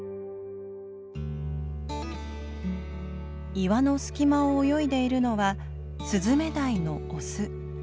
岩の隙間を泳いでいるのはスズメダイのオス。